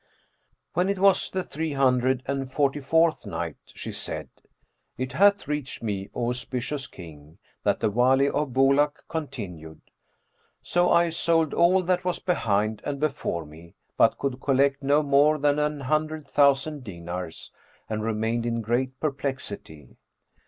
When it was the Three Hundred and Forty fourth Night, She said, It hath reached me, O auspicious King, that the Wali of Bulak continued: "So I sold all that was behind and before me, but could collect no more than an hundred thousand dinars and remained in great perplexity.